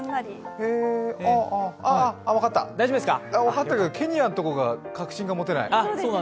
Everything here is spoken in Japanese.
へえーああ、分かったけど、ケニアのとこが確信が持てない。